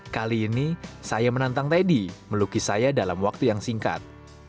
kali ini saya menantang teddy melukis saya dalam waktu yang singkat